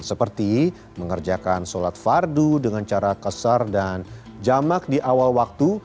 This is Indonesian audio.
seperti mengerjakan sholat fardu dengan cara kesar dan jamak di awal waktu